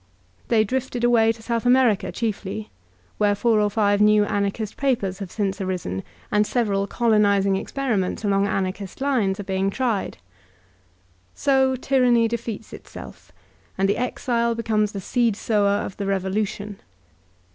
They drifted away to South America chiefly, where four or five new Anarchist papers have since arisen, and sev eral colonizing experiments along Anarchist lines are being tried. So tyranny defeats itself, and the exile be comes the seed sower of the revolution.